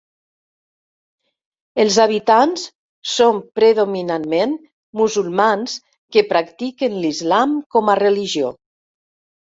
Els habitants són predominantment musulmans que practiquen l'islam com a religió.